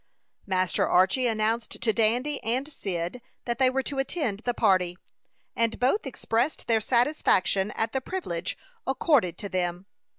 Master Archy announced to Dandy and Cyd that they were to attend the party, and both expressed their satisfaction at the privilege accorded to them.